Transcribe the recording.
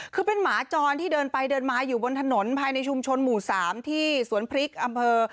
คือเป็นหมาจรที่เดินไปเดินมาอยู่บนถนนภายในชุมชนหมู่๓ที่สวนพริกอำเภอ